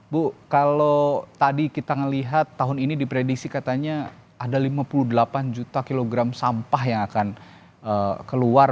bu kalau tadi kita melihat tahun ini diprediksi katanya ada lima puluh delapan juta kilogram sampah yang akan keluar